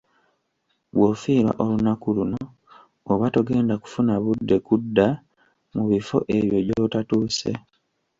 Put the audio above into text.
Bw'ofiirwa olunaku luno, oba togenda kufuna budde kudda mu bifo ebyo gy'otatuuse.